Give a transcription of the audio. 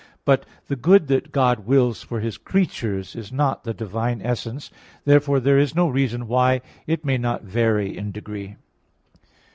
But the good that God wills for His creatures, is not the divine essence. Therefore there is no reason why it may not vary in degree.